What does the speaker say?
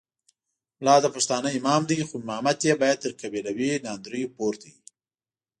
ملا د پښتانه امام دی خو امامت یې باید تر قبیلوي ناندریو پورته وي.